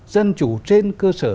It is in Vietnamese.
dân chủ trên cơ sở